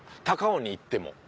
高尾に行っても。